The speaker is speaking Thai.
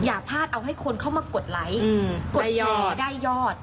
อย่าพลาดเอาให้คนเข้ามากดไลค์กดแชร์ได้ยอด